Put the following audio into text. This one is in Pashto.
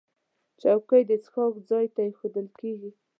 چوکۍ د څښاک ځای ته ایښودل کېږي.